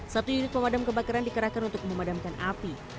satu unit pemadam kebakaran dikerahkan untuk memadamkan api